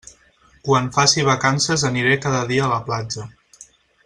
Quan faci vacances aniré cada dia a la platja.